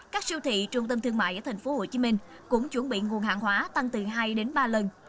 các siêu thị trung tâm thương mại ở thành phố hồ chí minh cũng chuẩn bị nguồn hạng hóa tăng từ hai ba lần